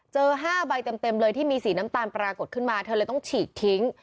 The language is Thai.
๕ใบเต็มเลยที่มีสีน้ำตาลปรากฏขึ้นมาเธอเลยต้องฉีกทิ้ง